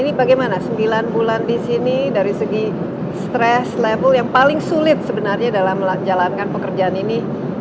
ini bagaimana sembilan bulan di sini dari segi stress level yang paling sulit sebenarnya dalam menjalankan pekerjaan ini